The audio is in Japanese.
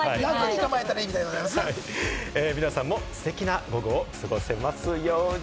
皆さんもステキな午後を過ごせますように！